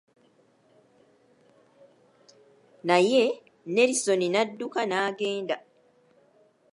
Naye Nelisoni n'adduka n'agenda.